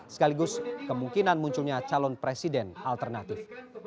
sekaligus kemungkinan munculnya calon presiden alternatif